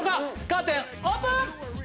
カーテンオープン！